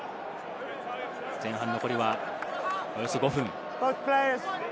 前半残りは、およそ５分。